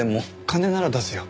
金なら出すよ。